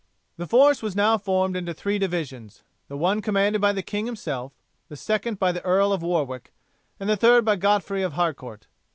The force was now formed into three divisions the one commanded by the king himself, the second by the Earl of Warwick, and the third by Godfrey of Harcourt.